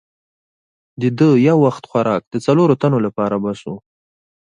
د ده یو وخت خوراک د څلورو تنو لپاره بس وو.